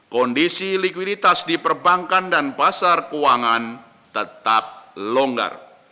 kondisi likuiditas di perbankan dan pasar keuangan tetap longgar